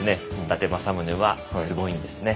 伊達政宗はすごいんですね。